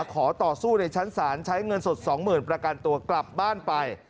ขอต่อสู้ในชั้นศาลใช้เงินสด๒๐๐๐ประกันตัวกลับบ้านไป